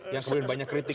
yang kemudian banyak kritik